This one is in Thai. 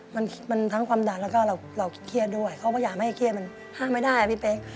มันทั้งความดันแล้วก็เราเครียดด้วยเขาก็อยากให้เครียดมันห้ามไม่ได้พี่เป๊ก